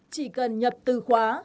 chỉ cần nhập từ khóa